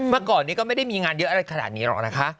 เมื่อก่อนนี้ก็ไม่ได้มีงานเยอะอะไรขนาดนี้หรอกนะคะ